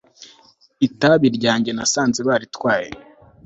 itabi ryanjye nasanze baritwaye